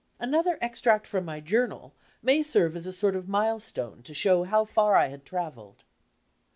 Another extract from my journal may serve as a sort of milestone to show how far I had travelled.